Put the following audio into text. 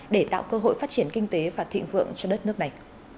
để tạo cơ hội phát triển kinh tế và thịnh vượng cho đất nước này